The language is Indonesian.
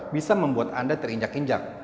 bisa membuat anda terinjak injak